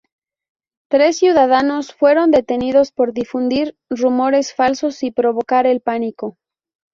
Tres ciudadanos fueron detenidos por difundir rumores falsos y provocar el pánico.